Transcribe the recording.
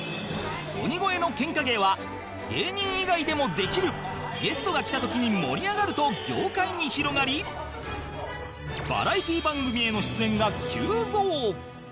鬼越のケンカ芸は芸人以外でもできるゲストが来た時に盛り上がると業界に広がりバラエティ番組への出演が急増